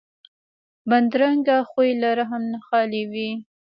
بدرنګه خوی له رحم نه خالي وي